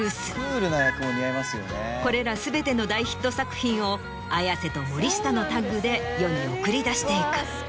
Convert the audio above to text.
これら全ての大ヒット作品を綾瀬と森下のタッグで世に送り出していく。